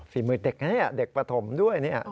ฝีมือเด็กนะเด็กปฐมด้วย